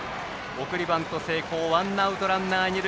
送りバント成功ワンアウトランナー、二塁。